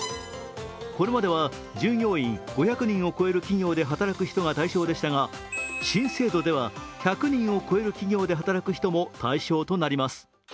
これまでは従業員５００人を超える企業で働く人が対象でしたが新制度では、１００人を超える企業で働く人も対象となります。